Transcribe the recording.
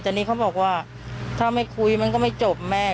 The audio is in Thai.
แต่นี่เขาบอกว่าถ้าไม่คุยมันก็ไม่จบแม่